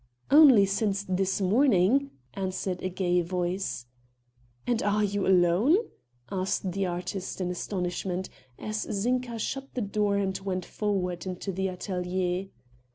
"Only since this morning," answered a gay voice. "And are you alone?" asked the artist in astonishment, as Zinka shut the door and went forward into the atelier.